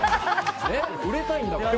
売れたいんだから。